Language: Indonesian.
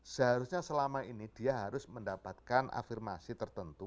seharusnya selama ini dia harus mendapatkan afirmasi tertentu